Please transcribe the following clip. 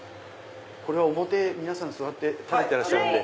これは表皆さん座って食べてらっしゃるんで。